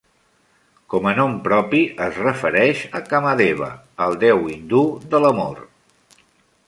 Com a nom propi, es refereix a Kamadeva, el déu hindú de l'amor.